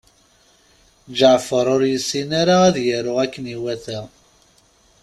Ǧeɛfer ur yessin ara ad yaru akken iwata.